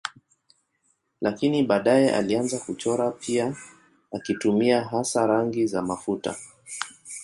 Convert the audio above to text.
Lakini baadaye alianza kuchora pia akitumia hasa rangi za mafuta.